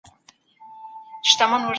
عبدالهادي ريشا محمدسليم سليمي